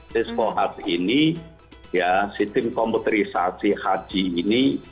cisco heart ini ya sistem komputerisasi haji ini